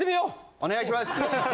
お願いします。